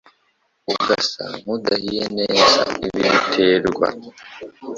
ugasa nk’udahiye neza. Ibi biterwa